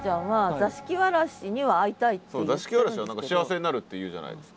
座敷わらしは何か幸せになるっていうじゃないですか。